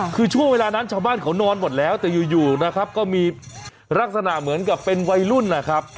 คือช่วงเวลานั้นชาวบ้านเขานอนหมดแล้วแต่อยู่นะครับก็มีลักษณะเหมือนกับเป็นวัยรุ่นนะครับ